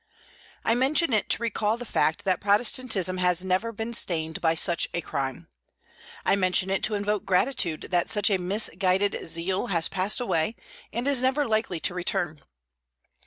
I mention it to recall the fact that Protestantism has never been stained by such a crime. I mention it to invoke gratitude that such a misguided zeal has passed away and is never likely to return.